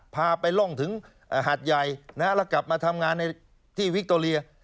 พาไปร่องถึงหาดใหญ่แล้วกลับมาทำงานในที่วิคโตเรีย